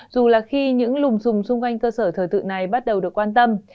dù là khi những lùm xùm xung quanh cơ sở thờ tự này bắt đầu được quan tâm